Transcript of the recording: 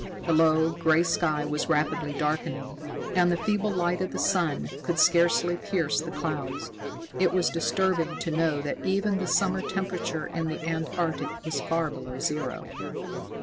The low, gray sky was rapidly darkening, and the feeble light of the sun could scarcely pierce the clouds. It was disturbing to know that even the summer temperature in the Antarctic was far below zero.